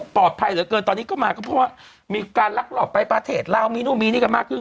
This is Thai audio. เหลือเกินตอนนี้ก็มาก็เพราะว่ามีการลักลอบไปประเทศลาวมีนู่นมีนี่กันมากขึ้น